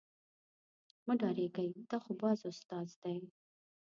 مه ډارېږئ دا خو باز استاد دی.